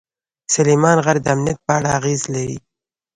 سلیمان غر د امنیت په اړه اغېز لري.